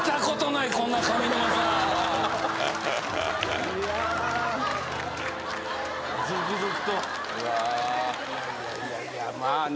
いやいやまあね